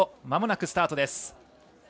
まもなくスタートです。